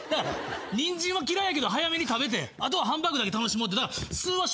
ニンジンは嫌いやけど早めに食べてあとはハンバーグだけ楽しもうってだから「ス」は処理してるわけ。